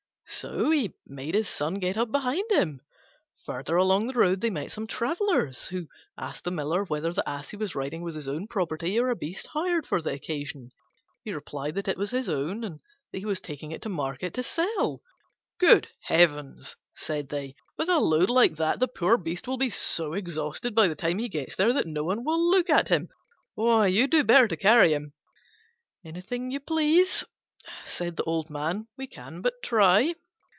So he made his Son get up behind him. Further along the road they met some travellers, who asked the Miller whether the Ass he was riding was his own property, or a beast hired for the occasion. He replied that it was his own, and that he was taking it to market to sell. "Good heavens!" said they, "with a load like that the poor beast will be so exhausted by the time he gets there that no one will look at him. Why, you'd do better to carry him!" "Anything to please you," said the old man, "we can but try."